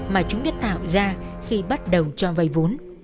mà chúng biết tạo ra khi bắt đầu cho vay vốn